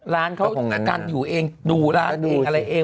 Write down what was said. ร้านเขาอยู่เองดูร้านอะไรเอง